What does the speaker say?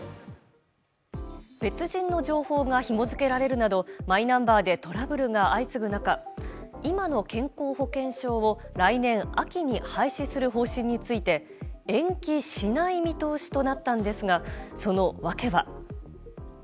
別人の情報がひも付けられるなどマイナンバーでトラブルが相次ぐ中今の健康保険証を来年秋に廃止する方針について延期しない見通しとなったんですが、その訳は。